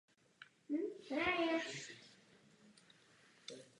Nyní nemáme dostatek času všechno vyjmenovat.